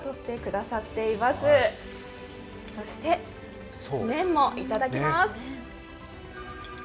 そして、麺もいただきます。